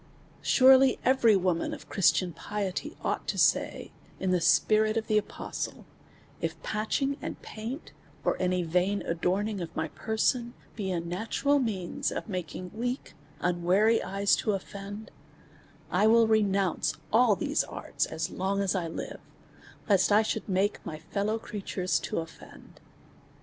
Surely every woman of Christian piety ought to say, in the spirit of the apostle, if patching and paint, or any vain adorning of my person, be a natural means of making weak, unwary eyes to ofi'end, I will re nounce all these arts as long as I live, lest 1 should make my fellow creatures to offend.